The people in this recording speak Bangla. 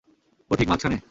ও ঠিক মাঝখানে।